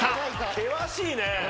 険しいね。